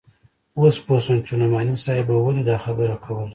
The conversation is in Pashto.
اوس پوه سوم چې نعماني صاحب به ولې دا خبره کوله.